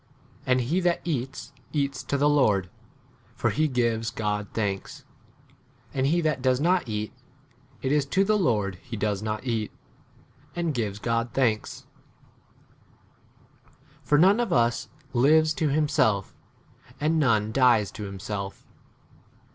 ] h And 1 he that eats, eats to the Lord, for he gives God thanks ; [and he that does not eat, [it is] to [the] Lord he does not eat,]J and gives God thanks. 7 For none of us lives to himself, 8 and none dies to himself.